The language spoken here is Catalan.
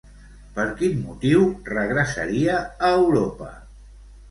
Per quin motiu regressaria a Europa?